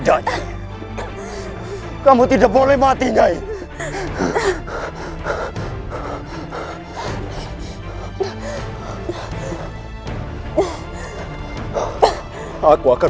aku tidak bisa sport dan